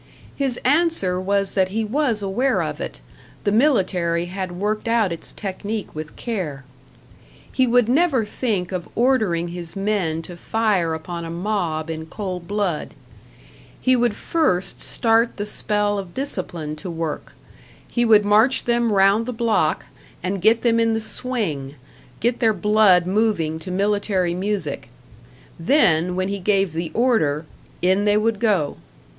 His answer was that he was aware of it, the military had worked out its technique with care. He would never think of ordering his men to fire upon a mob in cold blood; he would first start the spell of discipline to work, he would march them round the block, and get them in the swing, get their blood moving to military music; then, when he gave the order, in they would go.